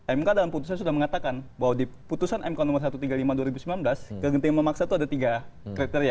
mk dalam putusan sudah mengatakan bahwa di putusan mk nomor satu ratus tiga puluh lima dua ribu sembilan belas kegentingan memaksa itu ada tiga kriteria